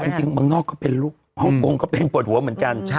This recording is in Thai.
แต่อันจริงมันนอกก็เป็นลูกห่วงก็เป็นปวดหัวเหมือนกัน